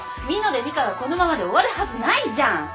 美濃部ミカがこのままで終わるはずないじゃん！